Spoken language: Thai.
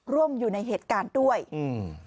ร่วมอยู่ในเหตุการณ์ด้วยอืม